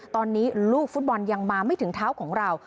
ตอนนี้ลูกฟุตบอลยังมาไม่ถึงเท้าของเรา